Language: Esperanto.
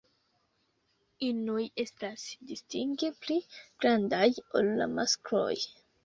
Inoj estas distinge pli grandaj ol la maskloj.